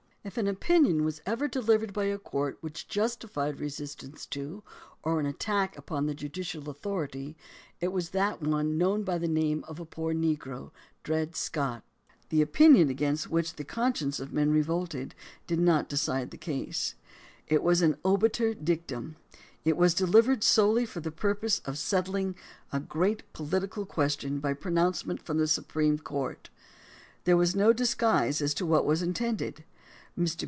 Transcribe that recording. If an opinion was ever delivered by a court which justified resistance to or an attack upon the judicial authority it was that one known by the name of a poor negro — Dred Scott. The opinion against which the conscience of men revolted did not decide the case. It was an obiter dictum. It was dehvered solely for the purpose of settling a great political question by pronouncement from the Supreme Court. There was no disguise as to what was in tended. Mr.